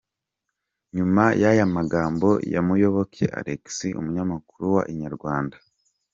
Nyuma y’aya magambo ya Muyoboke Alex umunyamakuru wa Inyarwanda.